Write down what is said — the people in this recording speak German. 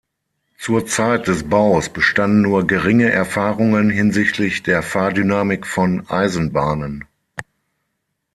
Zur Zeit des Baus bestanden nur geringe Erfahrungen hinsichtlich der Fahrdynamik von Eisenbahnen.